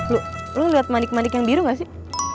lo liat manik manik yang biru gak sih